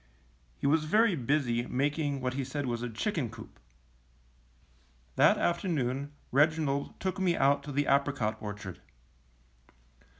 He was very busy making what he said was a chicken coop. That afternoon Reginald took me out to the apricot orchard.